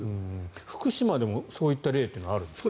福島でもそういった例あるんですか。